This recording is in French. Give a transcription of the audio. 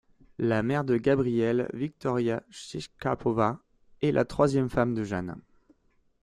La mère de Gabriel, Wiktoria Szczepkowska, est la troisième femme de Jan.